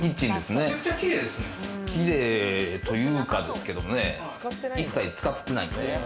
キレイというかですけどもね、一切使ってない。